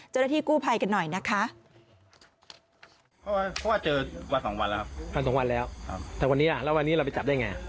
เจ้าหน้าที่กู้ภัยกันหน่อยนะคะ